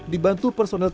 dibantu personel tni